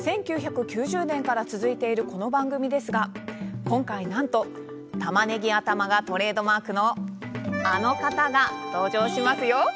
１９９０年から続いているこの番組ですが今回なんとたまねぎ頭がトレードマークのあの方が登場しますよ。